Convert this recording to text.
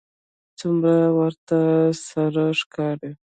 څومره ورته سره ښکاري